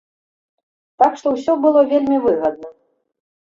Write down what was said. Так што ўсё было вельмі выгадна.